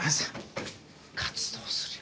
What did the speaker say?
活動するよ。